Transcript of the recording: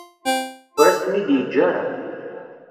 Ur as-ten-id-yeǧǧa ara.